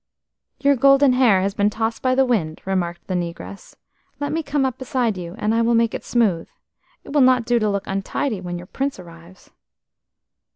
"Your golden hair has been tossed by the wind," remarked the negress. "Let me come up beside you, and I will make it smooth. It will not do to look untidy when your Prince arrives!"